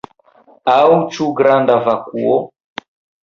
Aŭ ĉu granda vakuo?